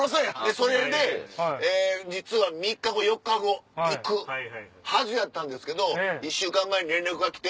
それで実は３日後４日後行くはずやったんですけど１週間前に連絡が来て。